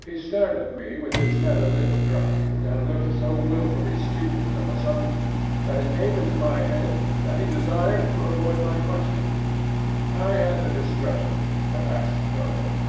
He stared at me with his nether lip dropping, and looked so wilfully stupid of a sudden that it came into my head that he desired to avoid my questions. I had the discretion to ask no more.